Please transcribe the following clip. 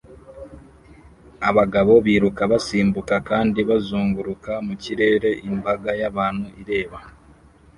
Abagabo biruka basimbuka kandi bazunguruka mu kirere imbaga y'abantu ireba